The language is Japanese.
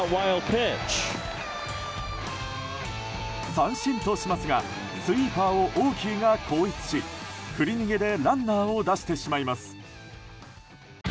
三振としますがスイーパーをオーキーが後逸し振り逃げでランナーを出してしまいます。